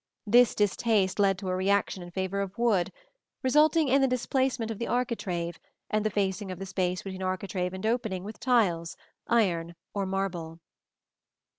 This distaste led to a reaction in favor of wood, resulting in the displacement of the architrave and the facing of the space between architrave and opening with tiles, iron or marble.